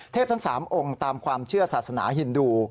ทั้ง๓องค์ตามความเชื่อศาสนาฮินดู